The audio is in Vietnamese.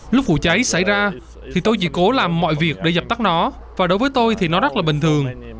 lúc vụ cháy xảy ra thì tôi chỉ cố làm mọi việc để dập tắt nó và đối với tôi thì nó rất là bình thường